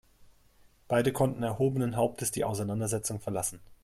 Beide konnten erhobenen Hauptes die Auseinandersetzung verlassen.